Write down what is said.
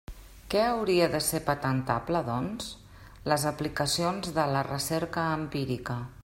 Què hauria de ser patentable, doncs? Les aplicacions de la recerca empírica.